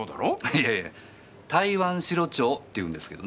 いやいやタイワンシロチョウっていうんですけどね。